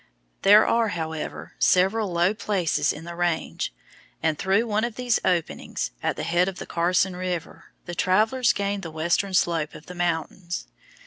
There are, however, several low places in the range, and through one of these openings, at the head of the Carson River, the travellers gained the western slope of the mountains.